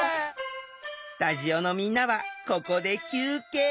スタジオのみんなはここで休憩。